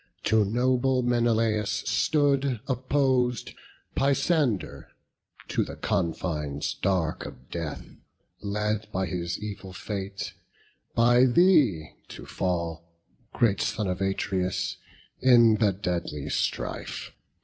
To noble Menelaus stood oppos'd Peisander, to the confines dark of death Led by his evil fate, by thee to fall, Great son of Atreus, in the deadly strife.